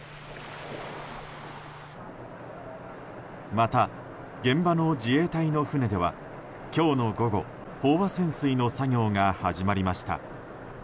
また、現場の自衛隊の船では今日の午後、飽和潜水の作業が始まりました。